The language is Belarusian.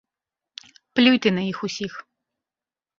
Плюй ты на іх усіх.